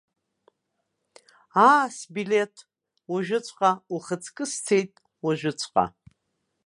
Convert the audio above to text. Аа, сбилеҭ, уажәыҵәҟьа, ухаҵкы сцеит, уажәыҵәҟьа.